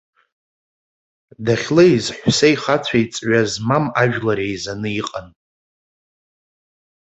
Дахьлеиз ҳәсеи хацәеи ҵҩа змам ажәлар еизаны иҟан.